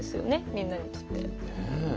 みんなにとって。